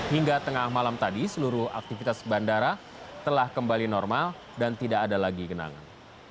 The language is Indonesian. hingga tengah malam tadi seluruh aktivitas bandara telah kembali normal dan tidak ada lagi genangan